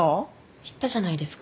言ったじゃないですか。